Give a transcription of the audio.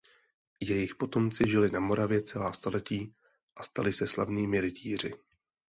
Jejich potomci žili na Moravě celá staletí a stali se slavnými rytíři.